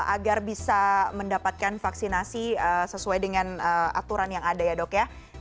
agar bisa mendapatkan vaksinasi sesuai dengan aturan yang ada ya dok ya